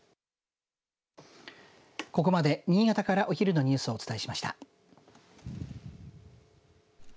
ここまで新潟からお昼のニュースをお伝えしました。